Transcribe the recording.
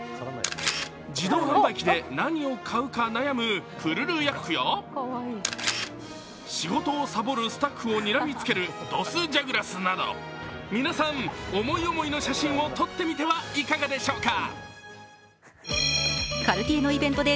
自動販売機で何を買うか悩むクルルヤックや仕事をサボるスタッフをにらみつけるドスジャグラスなど、皆さん、思い思いの写真を撮ってみてはいかがでしょうか？